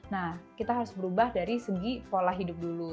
nah kita harus berubah dari segi pola hidup dulu